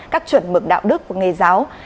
các chuẩn mực đạo đức của nghề giáo